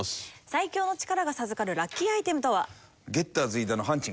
最強の力が授かるラッキーアイテムとは？